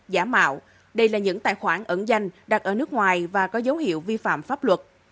giả mạo đây là những tài khoản ẩn danh đặt ở nước ngoài và có dấu hiệu vi phạm pháp luật